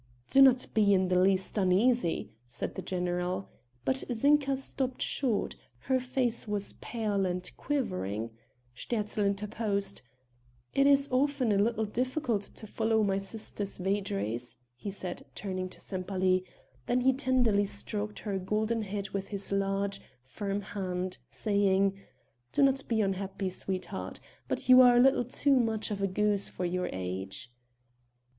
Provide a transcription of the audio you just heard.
"Do not be in the least uneasy," said the general. But Zinka stopped short; her face was pale and quivering; Sterzl interposed: "It is often a little difficult to follow my sister's vagaries," he said turning to Sempaly; then he tenderly stroked her golden head with his large, firm hand, saying: "Do not be unhappy, sweetheart; but you are a little too much of a goose for your age."